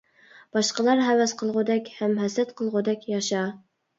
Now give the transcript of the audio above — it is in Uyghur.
باشقىلار ھەۋەس قىلغۇدەك ھەم ھەسەت قىلغۇدەك ياشا!